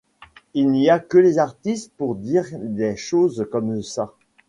Il n’y a que les artistes pour dire des choses comme ça.